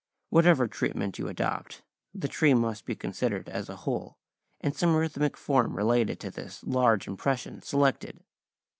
Whatever treatment you adopt, the tree must be considered as a whole, and some rhythmic form related to this large impression selected.